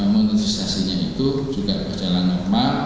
monifestasinya itu juga berjalan normal